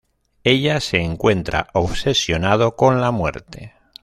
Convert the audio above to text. Ella se encuentra obsesionado con la muerte.